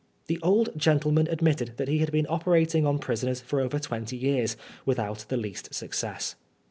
The old gentleman admitted that he had been operating on prisoners for over twenty years without the least success.